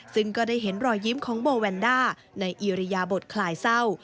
ซึ่งก็ได้เห็นรอยยิ้มของโบแวนด้าในอิริยาบทคลายเศร้า